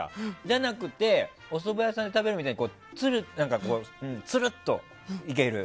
じゃなくておそば屋さんで食べるみたいにつるっといける。